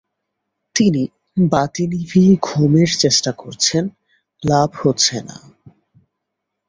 তিনি বাতি নিভিয়ে ঘুমের চেষ্টা করছেন-লাভ হচ্ছে না।